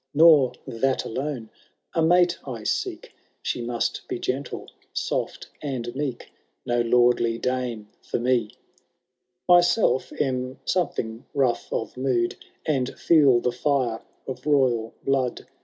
Nor that alone — a mate I seek ; She must be gentle, soft, and meeky.* No lordly dame for me ; Myself am something rough of mood. And feel the fire of royal blood.